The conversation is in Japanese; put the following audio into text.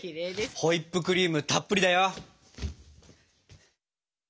ホイップクリームたっぷりだよ。